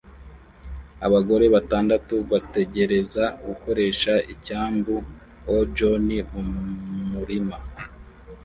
Abagore batandatu bategereza gukoresha icyambu-o-john mu murima